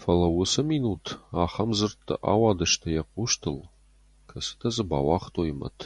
Фӕлӕ уыцы минут ахӕм дзырдтӕ ауадысты йӕ хъустыл, кӕцытӕ дзы бауагътой мӕт.